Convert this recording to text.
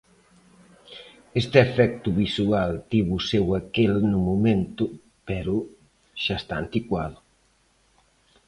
Este efecto visual tivo o seu aquel no momento pero xa está anticuado.